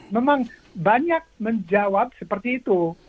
memang banyak menjawab seperti itu